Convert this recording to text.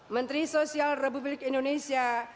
menteri sosial republik indonesia